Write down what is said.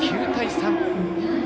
９対３。